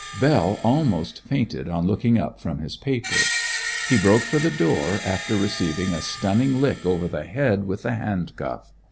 Bell almost fainted on looking up from his paper. He broke for the door after receiving a stunning lick over the head with the hand cuff.